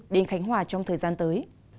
đến khánh hòa trong thời gian tới